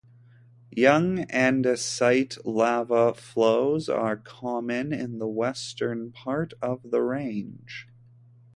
Young, andesite lava flows are common in the western part of the Range.